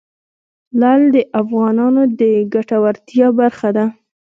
لعل د افغانانو د ګټورتیا برخه ده.